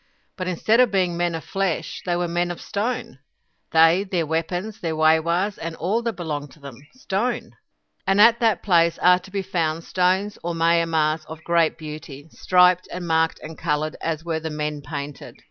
But instead of being men of flesh, they were men of stone they, their weapons, their waywahs, and all that belonged to them, stone. And at that place are to be found stones or mayamahs of great beauty, striped and marked and coloured as were the men painted.